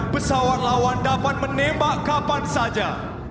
pesawat lawan dapat menembak kapan saja